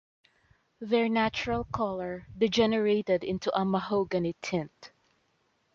Their natural colour degenerated into a mahogany tint.